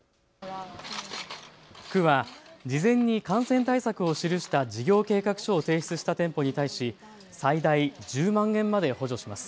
区は事前に感染対策を記した事業計画書を提出した店舗に対し最大１０万円まで補助します。